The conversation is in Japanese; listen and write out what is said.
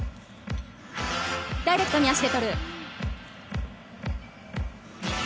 ダイレクトに足で取る。